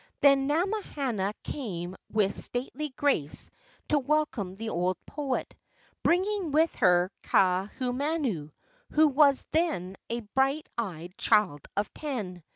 Then Namahana came with stately grace to welcome the old poet, bringing with her Kaahumanu, who was then a bright eyed child of ten.